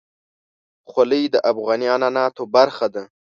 خولۍ د افغاني عنعناتو برخه ده.